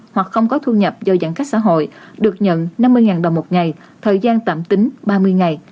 hoặc không có thu nhập do giãn cách xã hội được nhận năm mươi đồng một ngày thời gian tạm tính ba mươi ngày